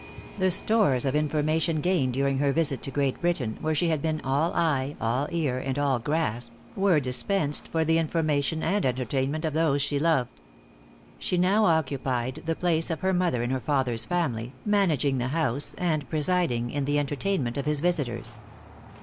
The stores of information gained during her visit to Great Britain, where she had been "all eye, all ear, and all grasp," were dispensed for the information and entertainment of those she loved. She now occupied the place of her mother in her father's family, managing the house and presiding in the entertainment of his visitors.